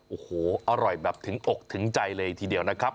โอ้โหอร่อยแบบถึงอกถึงใจเลยทีเดียวนะครับ